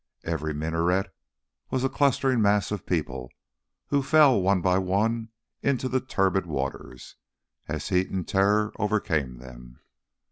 Every minaret was a clustering mass of people, who fell one by one into the turbid waters, as heat and terror overcame them.